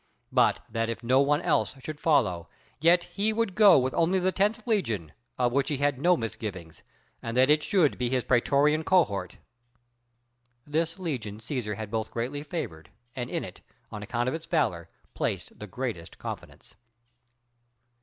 But that if no one else should follow, yet he would go with only the tenth legion, of which he had no misgivings, and it should be his prætorian cohort." This legion Cæsar had both greatly favored, and in it, on account of its valor, placed the greatest confidence.